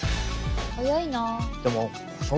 早いな。